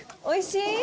おいしい？